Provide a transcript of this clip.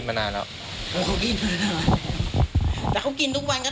ก็ทำงานอยู่กับใครไม่ได้งานอยู่กับตัวเองเนี่ยได้